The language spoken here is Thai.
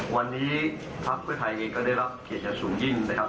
วันนี้พักเพื่อไทยเองก็ได้รับเกียรติอย่างสูงยิ่งนะครับ